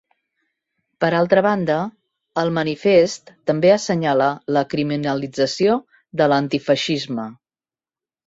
Per altra banda, el manifest també assenyala la criminalització de l’antifeixisme.